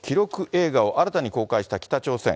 映画を新たに公開した北朝鮮。